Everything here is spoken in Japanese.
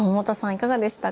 いかがでしたか？